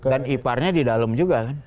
dan ipar nya didalem juga kan